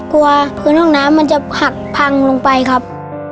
พื้นห้องน้ำมันจะหักพังลงไปครับ